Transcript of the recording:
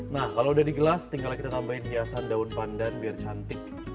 nah kalau udah digelas tinggal kita tambahin hiasan daun pandan biar cantik